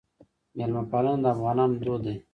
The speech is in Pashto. میلمه پالنه د افغانانو دود دی